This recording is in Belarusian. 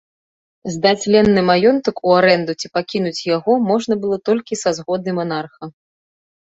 Здаць ленны маёнтак у арэнду ці пакінуць яго можна было толькі са згоды манарха.